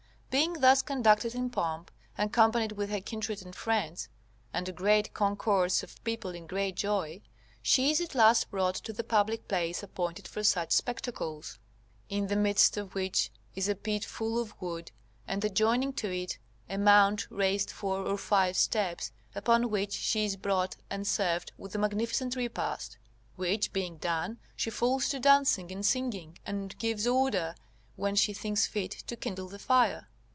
Being thus conducted in pomp, accompanied with her kindred and friends and a great concourse of people in great joy, she is at last brought to the public place appointed for such spectacles: this is a great space, in the midst of which is a pit full of wood, and adjoining to it a mount raised four or five steps, upon which she is brought and served with a magnificent repast; which being done, she falls to dancing and singing, and gives order, when she thinks fit, to kindle the fire.